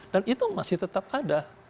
dan itu masih tetap ada